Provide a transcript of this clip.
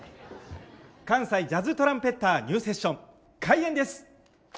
関西ジャズトランペッターニューセッション開演です。